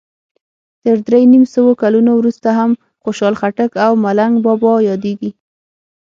تر درې نیم سوو کلونو وروسته هم خوشال خټک او ملنګ بابا یادیږي.